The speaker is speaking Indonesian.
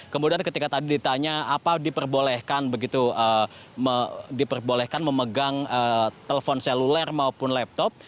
kemudian ketika tadi ditanya apa diperbolehkan begitu diperbolehkan memegang telepon seluler maupun laptop